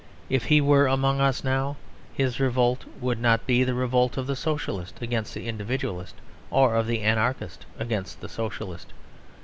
If he were among us now his revolt would not be the revolt of the Socialist against the Individualist, or of the Anarchist against the Socialist.